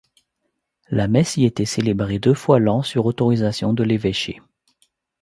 La messe y était célébrée deux fois l'an sur autorisation de l'évêché.